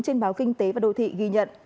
trên báo kinh tế và đô thị ghi nhận